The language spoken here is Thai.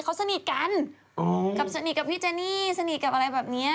กับสนิทกับพี่เจนนี่สนิทกับอะไรแบบนี้